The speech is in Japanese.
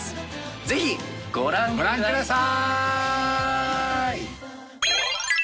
ぜひご覧ください。